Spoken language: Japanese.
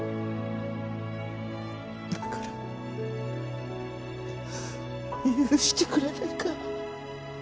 だから許してくれないか？